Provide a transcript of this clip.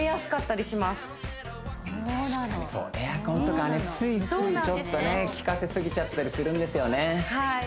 確かにそうエアコンとかついついちょっと利かせ過ぎちゃったりするんですよね